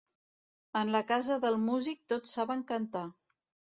En la casa del músic tots saben cantar.